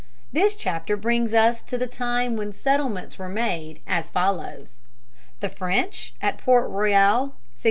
This chapter brings us to the time when settlements were made as follows: The French at Port Royal, N.